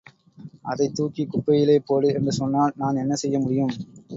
அதைத் தூக்கிக் குப்பையிலே போடு என்று சொன்னால் நான் என்ன செய்ய முடியும்.